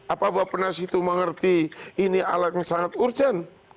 apa bapak penas itu mengerti ini alat yang sangat urgent